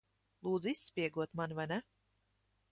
Lūdza izspiegot mani, vai ne?